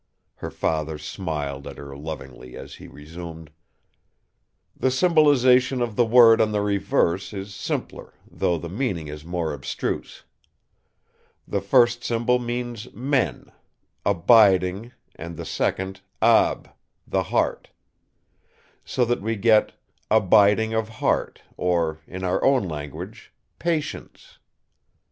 Her father smiled at her lovingly as he resumed: "The symbolisation of the word on the reverse is simpler, though the meaning is more abstruse. The first symbol means 'men', 'abiding', and the second, 'ab', 'the heart'. So that we get 'abiding of heart', or in our own language 'patience'.